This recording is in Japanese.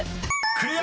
［クリア！